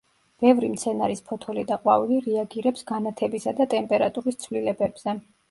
ბევრი მცენარის ფოთოლი და ყვავილი რეაგირებს განათებისა და ტემპერატურის ცვლილებებზე.